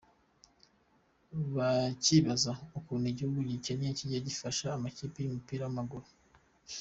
Bakibaza ukuntu igihugu gikennye kijya gufasha amakipe y’umupira w’amaguru!